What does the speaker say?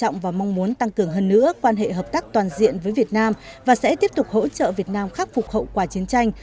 nâng cường hơn nữa quan hệ hợp tác toàn diện với việt nam và sẽ tiếp tục hỗ trợ việt nam khắc phục hậu quả chiến tranh